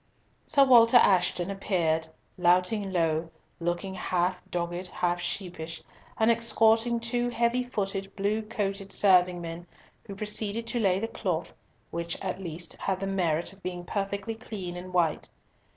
Sir Walter Ashton appeared, louting low, looking half dogged, half sheepish, and escorting two heavy footed, blue coated serving men, who proceeded to lay the cloth, which at least had the merit of being perfectly clean and white.